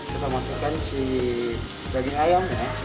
kita masukkan si daging ayam ya